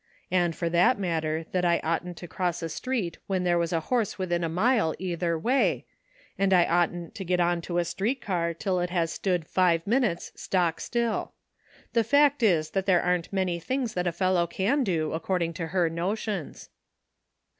"And for that matter, that I oughtn't to cross a street when there was a horse within a mile either way, and I oughtn't to get on to a street car till it has stood five minutes stock still. The fact is, that there aren't many 834 "LUCK,'' things that a fellow can do, according to her notions."